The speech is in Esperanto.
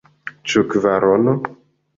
Ĉu kvarono?